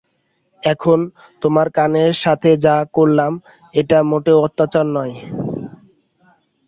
এখন, তোমার কানের সাথে যা করলাম, এটা মোটেও অত্যাচার নয়।